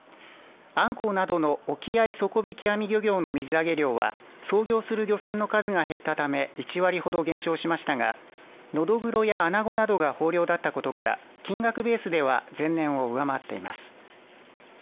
アンコウなどの沖合底引き網漁業の水揚げ量は操業する漁船の数が減ったため１割ほど減少しましたがノドグロやアナゴなどが豊漁だったことから金額ベースでは前年を上回っています。